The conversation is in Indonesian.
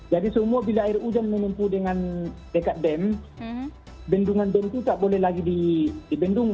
jadi semua bila air hujan menempuh dengan dekat dam bendungan dam tuh tak boleh lagi di bendung